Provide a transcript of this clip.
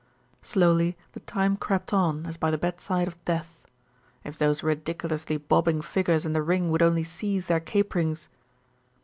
Slowly the time crept on as by the bedside of death. If those ridiculously bobbing figures in the ring would only cease their caperings!